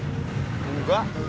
esse ngjung indonesia